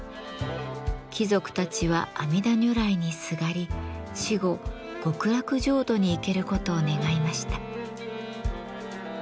貴族たちは阿弥陀如来にすがり死後極楽浄土に行けることを願いました。